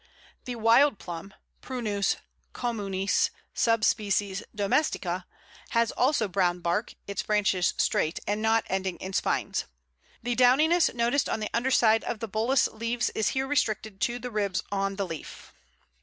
The Wild Plum (Prunus communis, sub sp. domestica) has also brown bark, its branches straight, and not ending in spines. The downiness noticed on the underside of the Bullace leaves is here restricted to the ribs of the leaf.